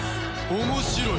面白い。